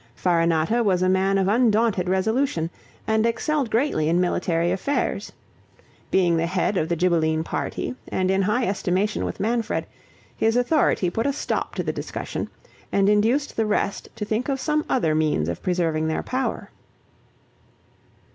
Farinata was a man of undaunted resolution, and excelled greatly in military affairs: being the head of the Ghibelline party, and in high estimation with Manfred, his authority put a stop to the discussion, and induced the rest to think of some other means of preserving their power.